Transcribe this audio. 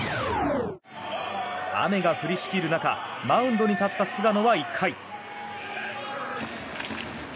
雨が降りしきる中マウンドに立った菅野は１回。